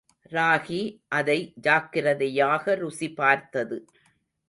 ராகி அதை ஜாக்கிரதையாக ருசி பார்த்தது.